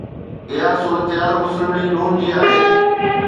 اها صورتحال مسلم ليگ ن جي آهي.